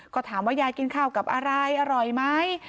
ก็ถามว่ายายกินข้าวกับอะไรอร่อยไหม